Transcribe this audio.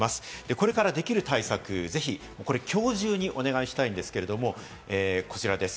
これからできる対策をぜひ、きょう中にお願いしたいんですけれど、こちらです。